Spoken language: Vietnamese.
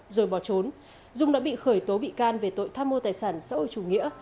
rồi bỏ trốn dung đã bị khởi tố bị can về tội tham mô tài sản xã hội chủ nghĩa